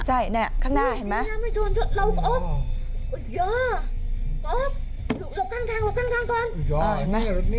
ใช่เนี่ยข้างหน้าเห็นไหม